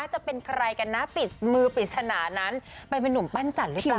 จะเป็นใครกันนะปิดมือปริศนานั้นไปเป็นนุ่มปั้นจันทร์หรือเปล่า